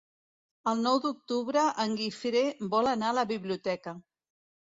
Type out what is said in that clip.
El nou d'octubre en Guifré vol anar a la biblioteca.